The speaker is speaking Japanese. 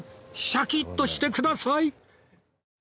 シャキッとしてください！